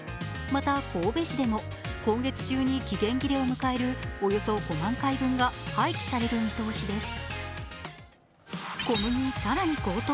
また、神戸市でも今月中に期限切れを迎えるおよそ５万回分が廃棄される見通しです。